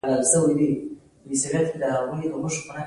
خو د پولادو د عصري توليد په برخه کې يې تخصص درلود.